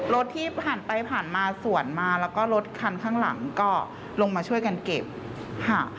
รถที่ผ่านไปผ่านมาสวนมาแล้วก็รถคันข้างหลังก็ลงมาช่วยกันเก็บค่ะ